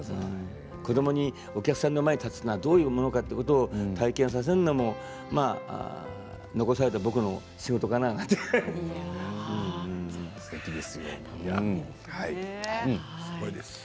子どもにお客さんの前に立つのはどんなものかと体験させるのは残された僕の仕事かなとすごいです。